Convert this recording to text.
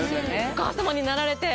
お母様になられて。